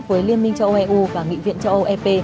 với liên minh châu eu và nghị viện châu âu ep